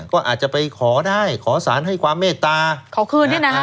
ก็อาจจะไปขอได้ขอสารให้ความเมตตาเขาคืนเนี่ยนะฮะ